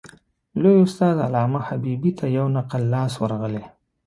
لوی استاد علامه حبیبي ته یو نقل لاس ورغلی.